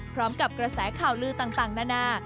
พร้อมกับกระแสข่าวลือต่างนานา